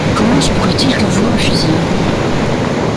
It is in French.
Comment se pourrait-il que vous refusiez?